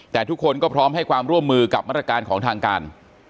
แต่ทุกคนก็พร้อมให้ความร่วมมือกับมาตรการของทางการ